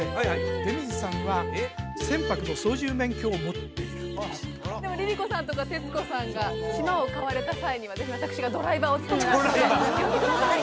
出水さんは船舶の操縦免許を持っているんですでもＬｉＬｉＣｏさんとか徹子さんが島を買われた際にはぜひ私がドライバーを務めますんで言ってください！